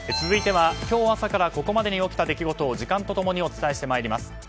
続いては今日朝からここまでに起きた出来事を時間と共にお伝えしてまいります。